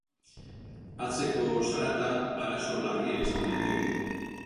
Atzeko zarata arazo larria izan daiteke.